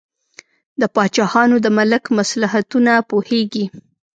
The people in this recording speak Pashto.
د پاچاهانو د ملک مصلحتونه پوهیږي.